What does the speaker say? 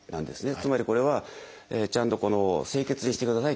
つまりこれはちゃんと清潔にしてくださいということ。